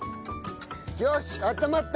よしあったまった！